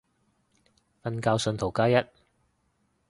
瞓覺信徒加一